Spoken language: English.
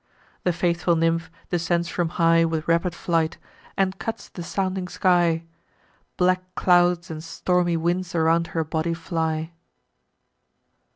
The faithful nymph descends from high With rapid flight, and cuts the sounding sky: Black clouds and stormy winds around her body fly.